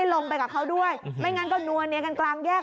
ได้ลงไปกับเขาด้วยไม่งั้นก็นวร้นเงียการกร้างแยก